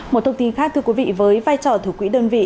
một thông tin khác thưa quý vị với vai trò thủ quỹ đơn vị